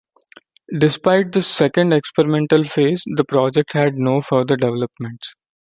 Despite this second experimental phase, the project had no further developments.